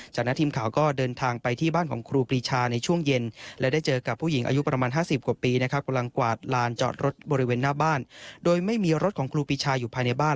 จากนั้นทีมข่าวก็เดินทางไปที่บ้านของครูปรีชาในช่วงเย็นและได้เจอกับผู้หญิงอายุประมาณ๕๐กว่าปีนะครับกำลังกวาดลานจอดรถบริเวณหน้าบ้านโดยไม่มีรถของครูปีชาอยู่ภายในบ้าน